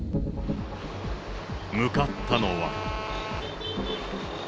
向かったのは。